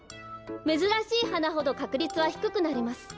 めずらしいはなほどかくりつはひくくなります。